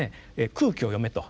「空気を読め」と。